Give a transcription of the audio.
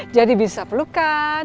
jadi bisa pelukan